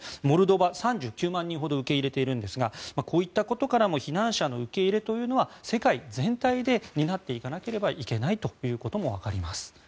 モルドバ、３９万人ほど受け入れているんですがこういったことからも避難者の受け入れというのは世界全体で担っていかなければいけないということもわかります。